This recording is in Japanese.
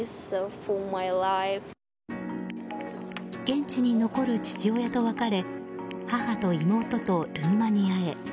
現地に残る父親と別れ母と妹とルーマニアへ。